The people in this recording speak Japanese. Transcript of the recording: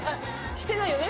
してないよね？